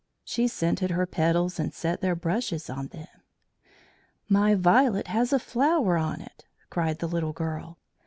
She scented her petals and set their brushes on them. "My violet has a flower on it!" cried the little girl.